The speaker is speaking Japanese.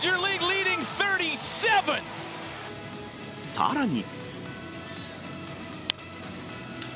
さらに。